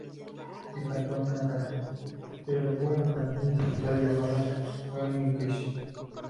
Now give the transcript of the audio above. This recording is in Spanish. Y sacó una canción digital llamada Charming Kiss.